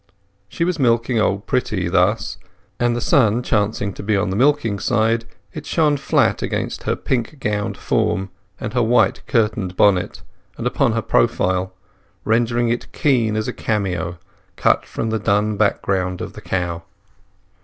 She was milking Old Pretty thus, and the sun chancing to be on the milking side, it shone flat upon her pink gowned form and her white curtain bonnet, and upon her profile, rendering it keen as a cameo cut from the dun background of the cow.